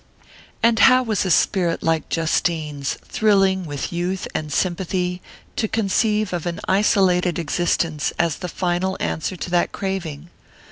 And how was a spirit like Justine's, thrilling with youth and sympathy, to conceive of an isolated existence as the final answer to that craving?